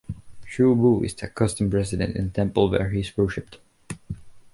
Chu-Bu is the accustomed resident in a temple where he is worshipped.